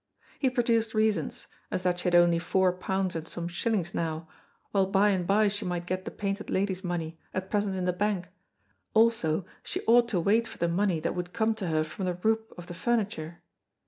He produced reasons, as that she had only four pounds and some shillings now, while by and by she might get the Painted Lady's money, at present in the bank; also she ought to wait for the money that would come to her from the roup of the furniture.